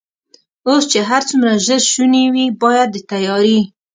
اوس چې هر څومره ژر شونې وي، باید د تیارې.